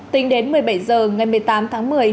tính đến một mươi bảy h ngày một mươi tám tháng một mươi